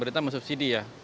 pemerintah mensubsidi ya